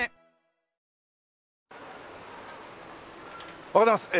おはようございます。